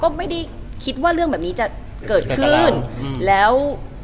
เหมือนนางก็เริ่มรู้แล้วเหมือนนางก็เริ่มรู้แล้ว